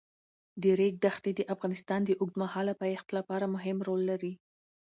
د ریګ دښتې د افغانستان د اوږدمهاله پایښت لپاره مهم رول لري.